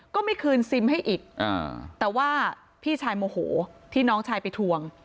ก็ไม่คืนซิมให้อีกแต่ว่าพี่ชายโมโหที่น้องชายไปทวง